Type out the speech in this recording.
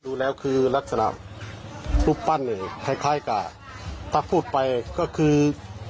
ดูแล้วคือลักษณะรูปปั้นเนี่ยคล้ายคล้ายกับถ้าพูดไปก็คือ